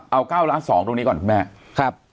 เอา๙ล้าน๒ตรงนี้ก่อนครับคุณแม่